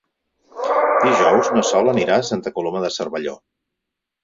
Dijous na Sol anirà a Santa Coloma de Cervelló.